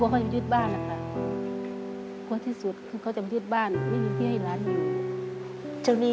ก็คือควรเขาจะยึดบ้าน